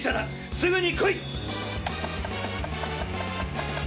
すぐにこい！